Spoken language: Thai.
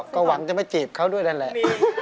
ก็หวังจะไม่จีบเขาด้วยนั่นแหละ